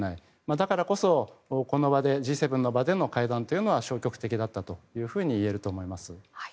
だからこそ、この場Ｇ７の場での会談というのは消極的だったといえると思います。